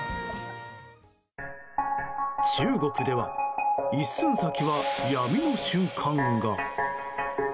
中国では一寸先は闇の瞬間が。